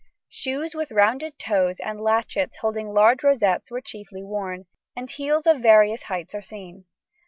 ] Shoes with rounded toes and latchets holding large rosettes were chiefly worn, and heels of various heights are seen.